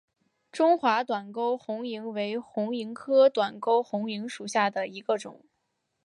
中华短沟红萤为红萤科短沟红萤属下的一个种。